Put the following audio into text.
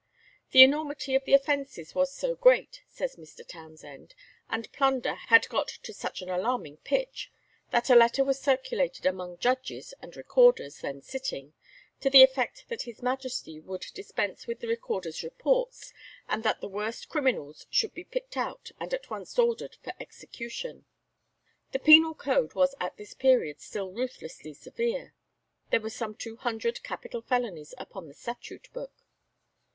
The enormity of the offences was so great, says Mr. Townshend, and "plunder had got to such an alarming pitch," that a letter was circulated among judges and recorders then sitting, to the effect that His Majesty would dispense with the recorders' reports, and that the worst criminals should be picked out and at once ordered for execution. The penal code was at this period still ruthlessly severe. There were some two hundred capital felonies upon the statute book.